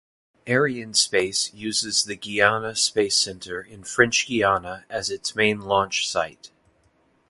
Arianespace uses the Guiana Space Center in French Guiana as its main launch site.